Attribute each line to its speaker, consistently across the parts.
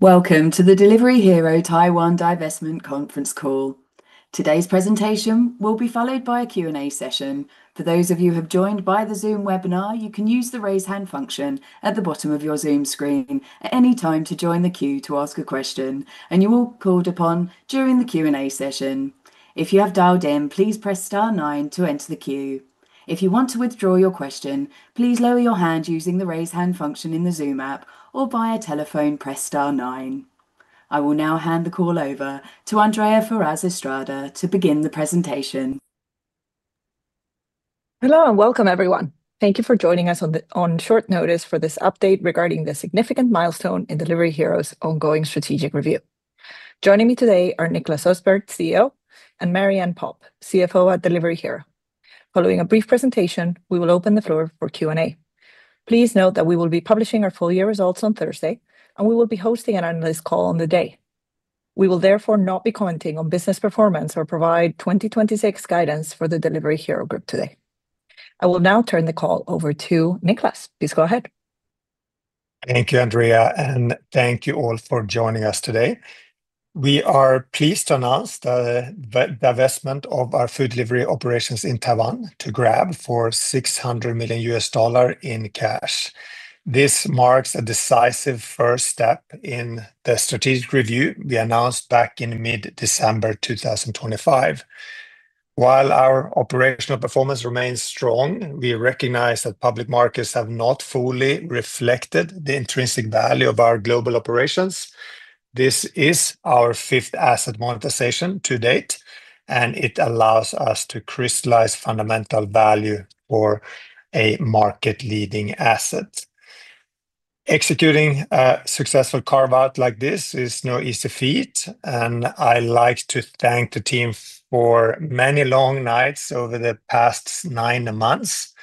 Speaker 1: Welcome to the Delivery Hero Taiwan divestment conference call. Today's presentation will be followed by a Q&A session. For those of you who have joined by the Zoom webinar, you can use the raise hand function at the bottom of your Zoom screen at any time to join the queue to ask a question, and you will be called upon during the Q&A session. If you have dialed in, please press star nine to enter the queue. If you want to withdraw your question, please lower your hand using the raise hand function in the Zoom app or, via telephone, press star nine. I will now hand the call over to Andrea Ferraz Estrada to begin the presentation.
Speaker 2: Hello and welcome, everyone. Thank you for joining us on short notice for this update regarding the significant milestone in Delivery Hero's ongoing strategic review. Joining me today are Niklas Östberg, CEO, and Marie-Anne Popp, CFO at Delivery Hero. Following a brief presentation, we will open the floor for Q&A. Please note that we will be publishing our full year results on Thursday, and we will be hosting an analyst call on the day. We will therefore not be commenting on business performance or provide 2026 guidance for the Delivery Hero group today. I will now turn the call over to Niklas. Please go ahead.
Speaker 3: Thank you, Andrea, and thank you all for joining us today. We are pleased to announce the divestment of our food delivery operations in Taiwan to Grab for $600 million in cash. This marks a decisive first step in the strategic review we announced back in mid-December 2025. While our operational performance remains strong, we recognize that public markets have not fully reflected the intrinsic value of our global operations. This is our fifth asset monetization to date, and it allows us to crystallize fundamental value for a market-leading asset. Executing a successful carve-out like this is no easy feat, and I like to thank the team for many long nights over the past nine months.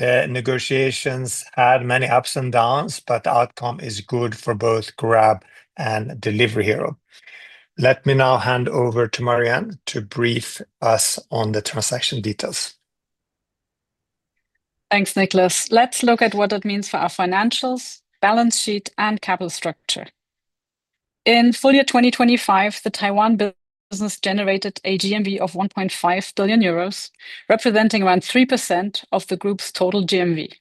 Speaker 3: The negotiations had many ups and downs, but the outcome is good for both Grab and Delivery Hero. Let me now hand over to Marie-Anne to brief us on the transaction details.
Speaker 4: Thanks, Niklas. Let's look at what it means for our financials, balance sheet, and capital structure. In full-year 2025, the Taiwan business generated a GMV of 1.5 billion euros, representing around 3% of the group's total GMV.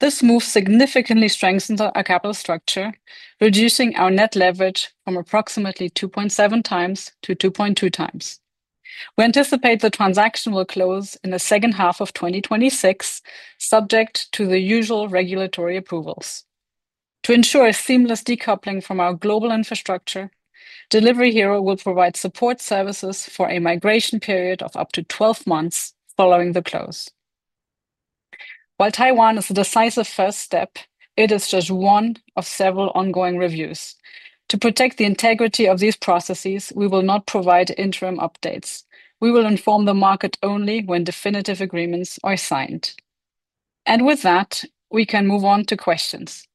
Speaker 4: This move significantly strengthens our capital structure, reducing our net leverage from approximately 2.7x to 2.2x. We anticipate the transaction will close in the H2 of 2026, subject to the usual regulatory approvals. To ensure a seamless decoupling from our global infrastructure, Delivery Hero will provide support services for a migration period of up to 12 months following the close. While Taiwan is a decisive first step, it is just one of several ongoing reviews. To protect the integrity of these processes, we will not provide interim updates. We will inform the market only when definitive agreements are signed. With that, we can move on to questions.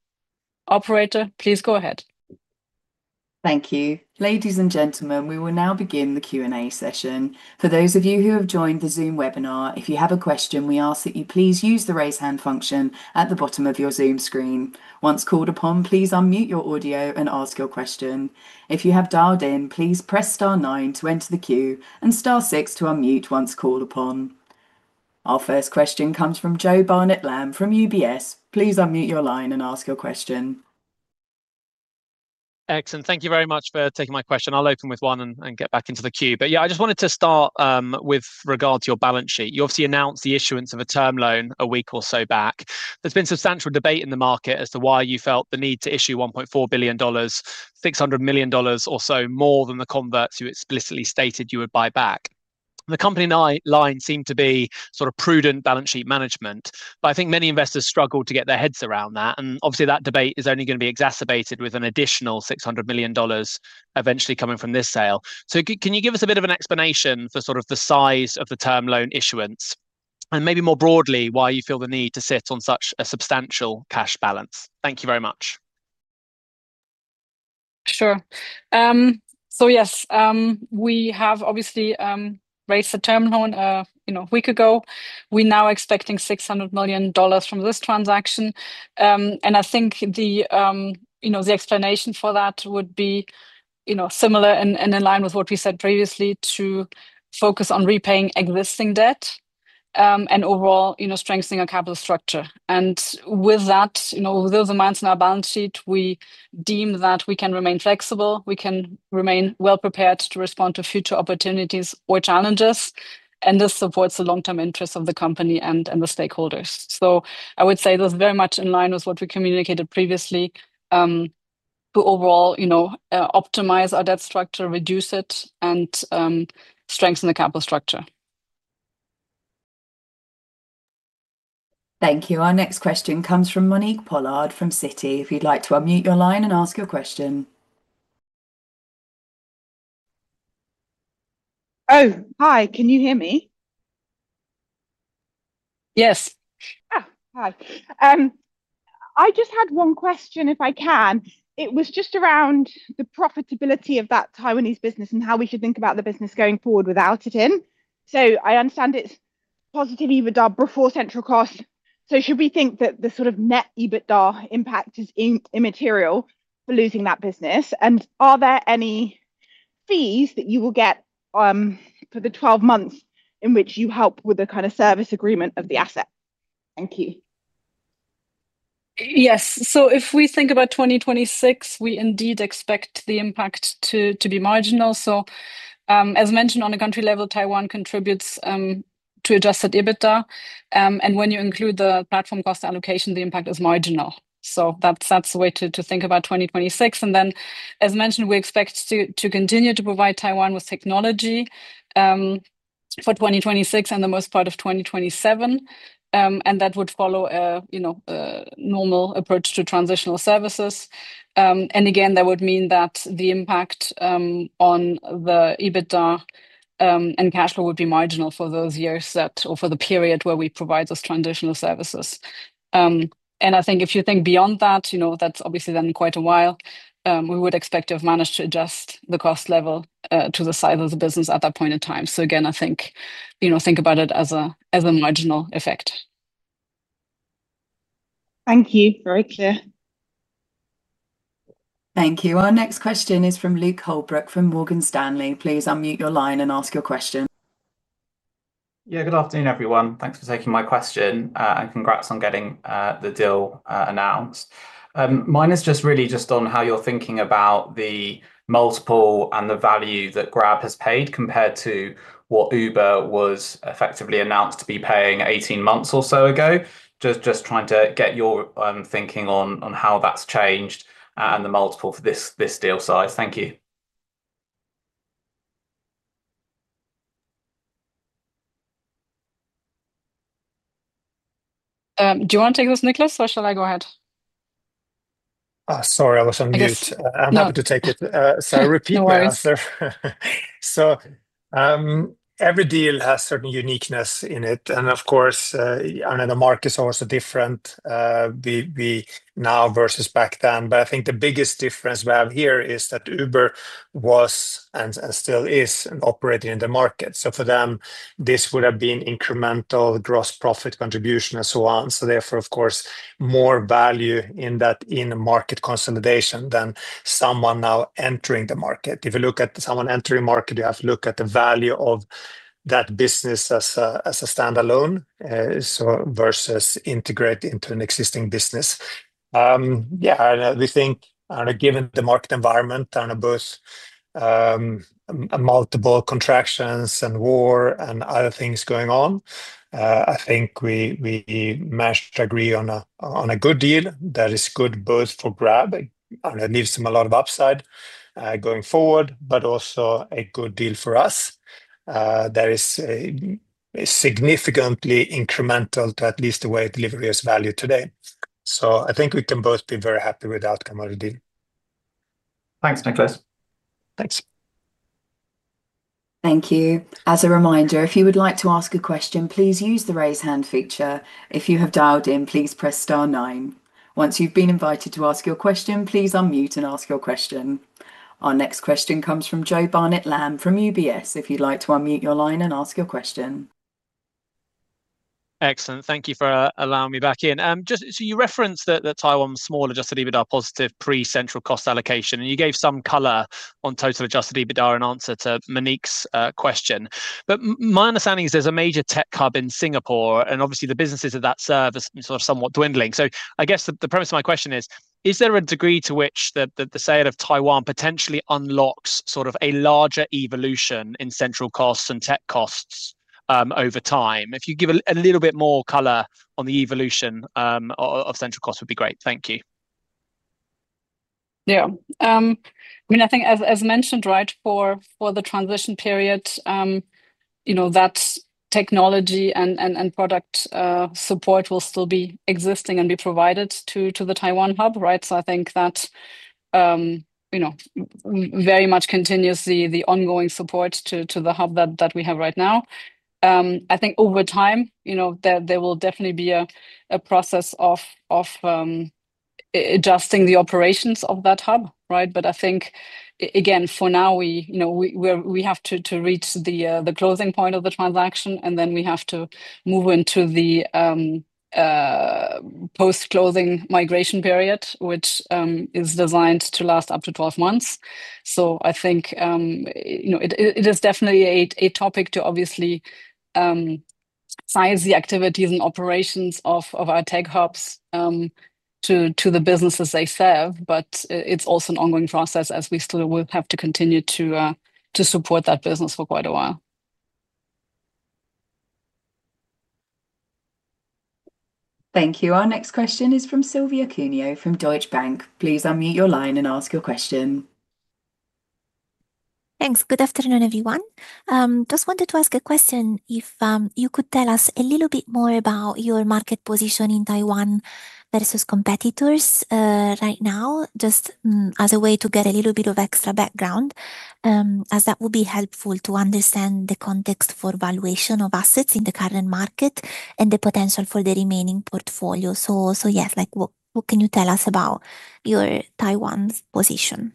Speaker 4: Operator, please go ahead.
Speaker 1: Thank you. Ladies and gentlemen, we will now begin the Q&A session. For those of you who have joined the Zoom webinar, if you have a question, we ask that you please use the raise hand function at the bottom of your Zoom screen. Once called upon, please unmute your audio and ask your question. If you have dialed in, please press star nine to enter the queue, and star six to unmute once called upon. Our first question comes from Joe Barnet-Lamb from UBS. Please unmute your line and ask your question.
Speaker 5: Excellent. Thank you very much for taking my question. I'll open with one and get back into the queue. Yeah, I just wanted to start with regard to your balance sheet. You obviously announced the issuance of a term loan a week or so back. There's been substantial debate in the market as to why you felt the need to issue $1.4 billion, $600 million or so more than the converts you explicitly stated you would buy back. The company line seemed to be sort of prudent balance sheet management. I think many investors struggled to get their heads around that, and obviously, that debate is only going to be exacerbated with an additional $600 million eventually coming from this sale. Can you give us a bit of an explanation for sort of the size of the term loan issuance, and maybe more broadly, why you feel the need to sit on such a substantial cash balance? Thank you very much.
Speaker 4: Sure. Yes. We have obviously raised the term loan, you know, a week ago. We're now expecting $600 million from this transaction. I think the explanation for that would be, you know, similar and in line with what we said previously to focus on repaying existing debt, and overall, you know, strengthening our capital structure. With that, you know, with those amounts in our balance sheet, we deem that we can remain flexible, we can remain well prepared to respond to future opportunities or challenges, and this supports the long-term interests of the company and the stakeholders. I would say that's very much in line with what we communicated previously to overall, you know, optimize our debt structure, reduce it, and strengthen the capital structure.
Speaker 1: Thank you. Our next question comes from Monique Pollard from Citi. If you'd like to unmute your line and ask your question.
Speaker 6: Oh, hi. Can you hear me?
Speaker 4: Yes.
Speaker 6: Oh, hi. I just had one question, if I can. It was just around the profitability of that Taiwanese business and how we should think about the business going forward without it in. I understand it's positive EBITDA before central cost. Should we think that the sort of net EBITDA impact is immaterial for losing that business? Are there any fees that you will get for the 12 months in which you help with the kind of service agreement of the asset? Thank you.
Speaker 4: Yes. If we think about 2026, we indeed expect the impact to be marginal. As mentioned on a country level, Taiwan contributes to adjusted EBITDA. When you include the platform cost allocation, the impact is marginal. That's the way to think about 2026. As mentioned, we expect to continue to provide Taiwan with technology for 2026 and the most part of 2027. That would follow you know, a normal approach to transitional services. Again, that would mean that the impact on the EBITDA and cash flow would be marginal for those years that, or for the period where we provide those transitional services. I think if you think beyond that, you know, that's obviously then quite a while. We would expect to have managed to adjust the cost level to the size of the business at that point in time. Again, I think, you know, think about it as a marginal effect.
Speaker 6: Thank you. Very clear.
Speaker 1: Thank you. Our next question is from Luke Holbrook, from Morgan Stanley. Please unmute your line and ask your question.
Speaker 7: Yeah. Good afternoon, everyone. Thanks for taking my question, and congrats on getting the deal announced. Mine is just really on how you're thinking about the multiple and the value that Grab has paid compared to what Uber was effectively announced to be paying 18 months or so ago. Just trying to get your thinking on how that's changed and the multiple for this deal size. Thank you.
Speaker 4: Do you want to take this Niklas, or shall I go ahead?
Speaker 3: Sorry, I was on mute.
Speaker 4: No.
Speaker 3: I'm happy to take it. Repeat the answer.
Speaker 4: No worries.
Speaker 3: Every deal has certain uniqueness in it. Of course, and then the market is always different now versus back then. I think the biggest difference we have here is that Uber was and still is operating in the market. For them, this would have been incremental gross profit contribution and so on. Therefore, of course, more value in that in-market consolidation than someone now entering the market. If you look at someone entering market, you have to look at the value of that business as a standalone, so versus integrating into an existing business. Yeah. We think, and given the market environment and both multiple contractions and war and other things going on, I think we managed to agree on a good deal that is good both for Grab, and it leaves them a lot of upside going forward, but also a good deal for us. That is significantly incremental to at least the way Delivery Hero is valued today. I think we can both be very happy with the outcome of the deal.
Speaker 7: Thanks, Niklas.
Speaker 3: Thanks.
Speaker 1: Thank you. As a reminder, if you would like to ask a question, please use the raise hand feature. If you have dialed in, please press star nine. Once you've been invited to ask your question, please unmute and ask your question. Our next question comes from Joe Barnet-Lamb from UBS. If you'd like to unmute your line and ask your question.
Speaker 5: Excellent. Thank you for allowing me back in. Just so you referenced that Taiwan's small, adjusted EBITDA is positive precentral cost allocation, and you gave some color on total adjusted EBITDA in answer to Monique's question. My understanding is there's a major tech hub in Singapore, and obviously, the business of that service is sort of somewhat dwindling. I guess the premise of my question is: Is there a degree to which the sale of Taiwan potentially unlocks sort of a larger evolution in central costs and tech costs over time? If you give a little bit more color on the evolution of central costs would be great. Thank you.
Speaker 4: Yeah. I mean, I think as mentioned, right, for the transition period, you know, that technology and product support will still be existing and be provided to the Taiwan hub, right? I think that, you know, very much continuously the ongoing support to the hub that we have right now. I think over time, you know, there will definitely be a process of adjusting the operations of that hub, right? I think again, for now, we, you know, we have to reach the closing point of the transaction, and then we have to move into the post-closing migration period, which is designed to last up to 12 months. I think, you know, it is definitely a topic to obviously size the activities and operations of our tech hubs to the businesses they serve, but it's also an ongoing process as we still will have to continue to support that business for quite a while.
Speaker 1: Thank you. Our next question is from Silvia Cuneo, from Deutsche Bank. Please unmute your line and ask your question.
Speaker 8: Thanks. Good afternoon, everyone. Just wanted to ask a question, if you could tell us a little bit more about your market position in Taiwan versus competitors, right now, just, as a way to get a little bit of extra background, as that would be helpful to understand the context for valuation of assets in the current market and the potential for the remaining portfolio. Yeah, like, what can you tell us about your Taiwan's position?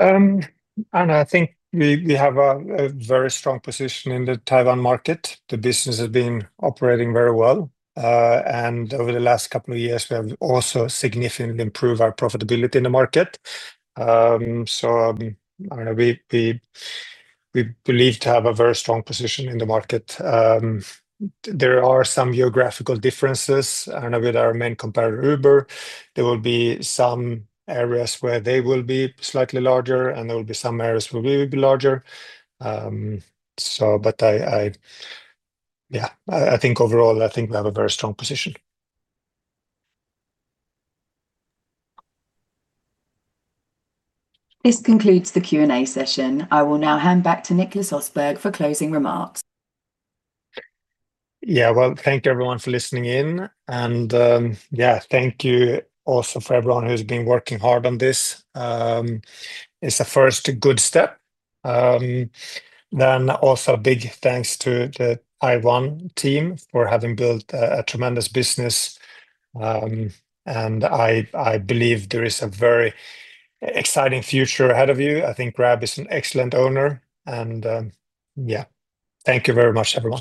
Speaker 3: I think we have a very strong position in the Taiwan market. The business has been operating very well. Over the last couple of years, we have also significantly improved our profitability in the market. I don't know, we believe to have a very strong position in the market. There are some geographical differences. I don't know, with our main competitor, Uber, there will be some areas where they will be slightly larger, and there will be some areas where we will be larger. But I think overall, we have a very strong position.
Speaker 1: This concludes the Q&A session. I will now hand back to Niklas Östberg for closing remarks.
Speaker 3: Yeah. Well, thank you everyone for listening in. Yeah, thank you also for everyone who's been working hard on this. It's a first good step. Also a big thanks to the Taiwan team for having built a tremendous business. I believe there is a very exciting future ahead of you. I think Grab is an excellent owner. Yeah. Thank you very much, everyone.